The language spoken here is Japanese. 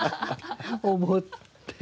思って。